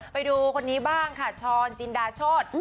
ไปดูคนนี้บ้างค่ะช้อนจินดาโชธ